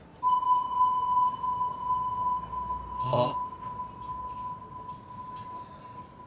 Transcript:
あっ。